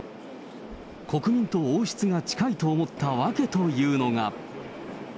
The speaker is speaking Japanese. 国民と王室が近いと思った訳というのが。